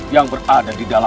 hancur manba baha